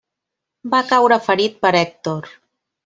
Va caure ferit per Hèctor.